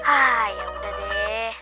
ah yaudah deh